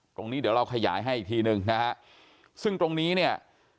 ตรงนี้เดี๋ยวเราขยายให้อีกทีหนึ่งนะฮะซึ่งตรงนี้เนี่ย